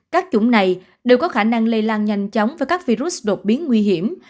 các chủng này đều có khả năng lây lan nhanh chóng với các virus đột biến nguy hiểm